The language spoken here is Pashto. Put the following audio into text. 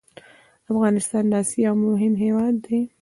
افغانستان د اسيا يو مهم هېواد ده